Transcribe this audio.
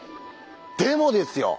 でもですよ